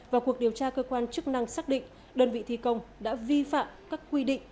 vào cuộc điều tra cơ quan chức năng xác định đơn vị thi công đã vi phạm các quy định